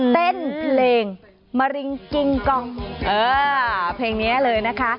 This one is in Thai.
เพลงมะริงกิงกองเออเพลงนี้เลยนะคะ